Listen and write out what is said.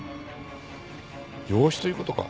養子という事か。